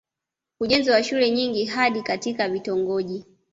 ujenzi wa shule nyingi hadi katika vitongoji